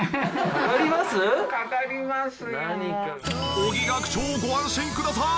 尾木学長ご安心ください！